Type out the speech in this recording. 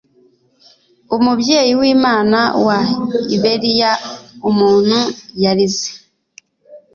Umubyeyi w'Imana wa Iberiya! umuntu yarize.